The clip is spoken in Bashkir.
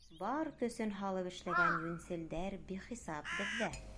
Бар көсөн һалып эшләгән йүнселдәр бихисап беҙҙә.